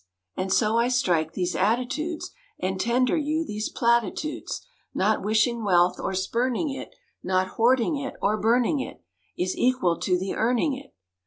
And so I strike these attitudes And tender you these platitudes; Not wishing wealth, or spurning it, Not hoarding it, or burning it Is equal to the earning it.